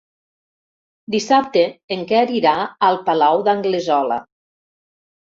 Dissabte en Quer irà al Palau d'Anglesola.